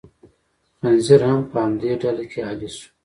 خنزیر هم په همدې ډله کې اهلي شو.